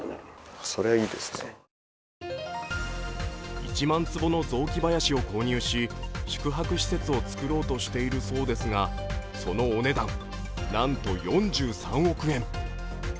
１万坪の雑木林を購入し宿泊施設を造ろうとしているそうですが、そのお値段なんと４３億円。